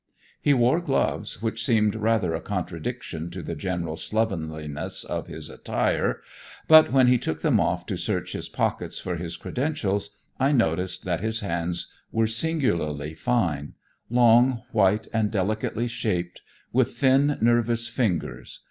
He wore gloves, which seemed rather a contradiction to the general slovenliness of his attire, but when he took them off to search his pockets for his credentials, I noticed that his hands were singularly fine; long, white, and delicately shaped, with thin, nervous fingers.